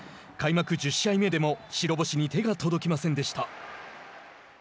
開幕１０試合目でも白星に手が届きませんでした。